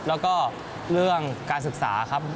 แล้วก็เรื่องการศึกษาครับ